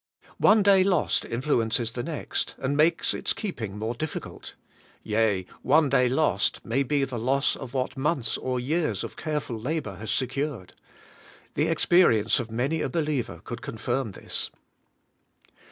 One day lost influ ences the next, and makes its keeping more diflBcult. Yea, one day lost may be the loss of what months or years of careful labour had secured. The experience of many a believer could confirm this.